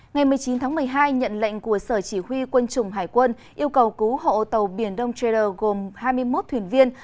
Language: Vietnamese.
ngày một mươi chín tháng một mươi hai nhận lệnh của sở chỉ huy quân chủng hải quân yêu cầu cứu hộ tàu biển đông trader gồm hai mươi một thuyền viên